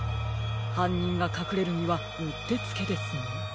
はんにんがかくれるにはうってつけですね。